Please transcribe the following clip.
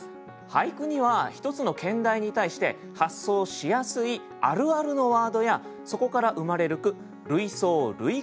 俳句には一つの兼題に対して発想しやすいあるあるのワードやそこから生まれる句類想類句というものがあります。